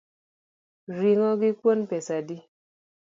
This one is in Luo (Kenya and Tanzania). Ring’o gi kuon pesa adi?